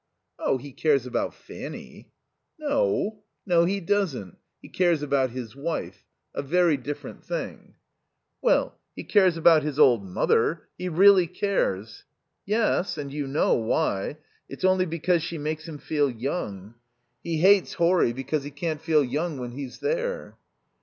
"Oh he cares about Fanny." "No. No, he doesn't. He cares about his wife. A very different thing." "Well he cares about his old mother. He really cares." "Yes, and you know why? It's only because she makes him feel young. He hates Horry because he can't feel young when he's there."